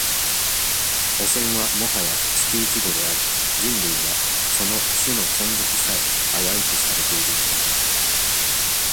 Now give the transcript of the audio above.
汚染は、もはや地球規模であり、人類は、その、種の存続さえ、危うくされているのだ。